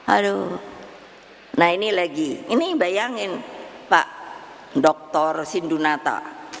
aduh nah ini lagi ini bayangin pak dr sindunata